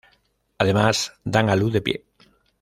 Además, dan a luz de pie.